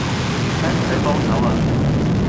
使唔使幫手呀